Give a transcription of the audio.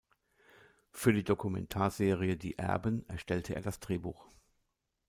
Für die Dokumentar-Serie „Die Erben“ erstellte er das Drehbuch.